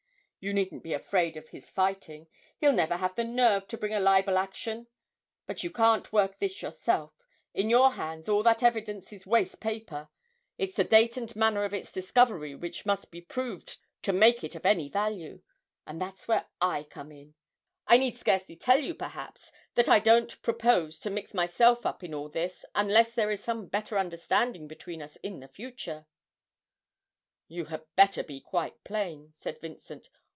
You needn't be afraid of his fighting he'll never have the nerve to bring a libel action! But you can't work this yourself; in your hands all that evidence is waste paper it's the date and manner of its discovery which must be proved to make it of any value and that's where I come in. I need scarcely tell you perhaps that I don't propose to mix myself up in all this, unless there is some better understanding between us in the future.' 'You had better be quite plain,' said Vincent.